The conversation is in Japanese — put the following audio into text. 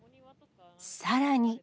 さらに。